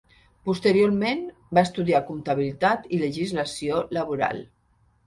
Posteriorment va estudiar Comptabilitat i Legislació Laboral.